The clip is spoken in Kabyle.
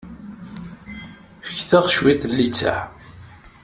Fket-aɣ cwiṭ n littseɛ.